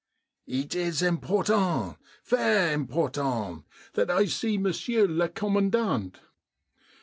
Eet is important — ver important that I see monsieur le commandant."